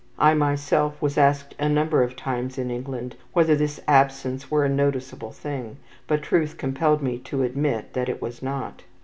I myself was asked a number of times in England whether this absence were a noticeable thing; but truth compelled me to admit that it was not.